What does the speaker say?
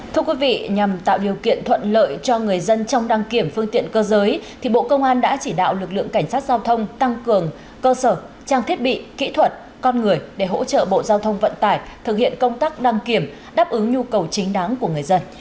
thưa quý vị nhằm tạo điều kiện thuận lợi cho người dân trong đăng kiểm phương tiện cơ giới thì bộ công an đã chỉ đạo lực lượng cảnh sát giao thông tăng cường cơ sở trang thiết bị kỹ thuật con người để hỗ trợ bộ giao thông vận tải thực hiện công tác đăng kiểm đáp ứng nhu cầu chính đáng của người dân